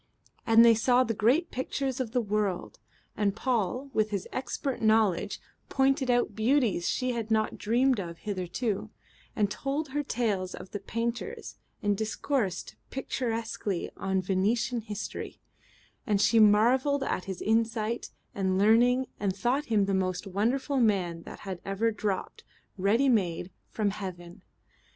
And they saw the great pictures of the world, and Paul, with his expert knowledge, pointed out beauties she had not dreamed of hitherto, and told her tales of the painters and discoursed picturesquely on Venetian history, and she marvelled at his insight and learning and thought him the most wonderful man that had ever dropped, ready made, from heaven.